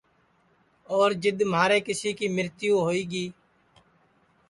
اور جِدؔ مہارے کیسی کی مرتیو ہوئی گی